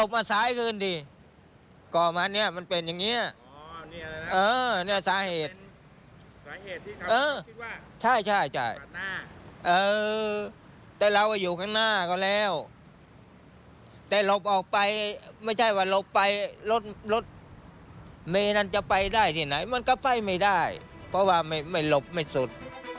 ว่าถ้าที่เราไปรถเมย์จะไปที่ไหนมันก็ไปไม่ได้เพราะว่าลบไม่สุด